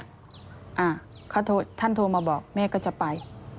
อ่าท่านโทรมาบอกแม่ก็จะไป